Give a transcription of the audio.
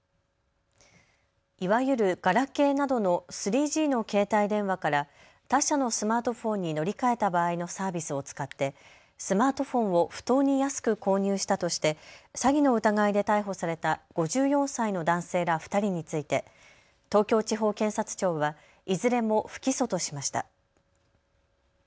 いわゆるガラケーなどの３Ｇの携帯電話から他社のスマートフォンに乗り換えた場合のサービスを使ってスマートフォンを不当に安く購入したとして詐欺の疑いで逮捕された５４歳の男性ら２人について東京地方検察庁はいずれも不起訴としました。